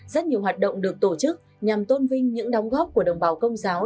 rất nhiều hoạt động được tổ chức nhằm tôn vinh những đóng góp của đồng bào công giáo